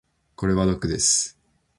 これ毒です。